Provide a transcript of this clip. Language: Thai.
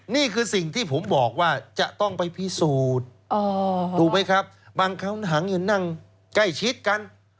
นี่คือสิ่งที่ผมบอกว่าจะต้องไปพิสูจน์ถูกไหมครับบางครั้งหนังนั่งใกล้ชิดกัน